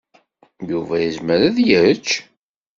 Yuba yezmer ad yečč?